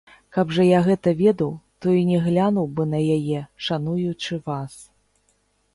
Каб жа я гэта ведаў, то і не глянуў бы на яе, шануючы вас.